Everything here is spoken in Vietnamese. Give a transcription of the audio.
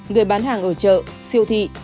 người bán hàng ở chợ siêu thị